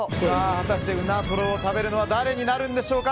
果たしてうなとろを食べるのは誰になるんでしょうか。